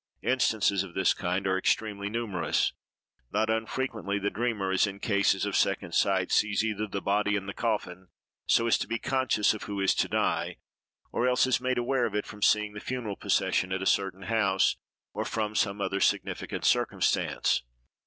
Instances of this kind are extremely numerous. Not unfrequently the dreamer, as in cases of second sight, sees either the body in the coffin, so as to be conscious of who is to die, or else is made aware of it from seeing the funeral procession at a certain house, or from some other significant circumstance.